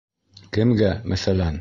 Кемгә, мәҫәлән?